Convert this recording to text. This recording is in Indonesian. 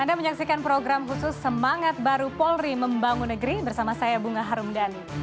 anda menyaksikan program khusus semangat baru polri membangun negeri bersama saya bunga harumdani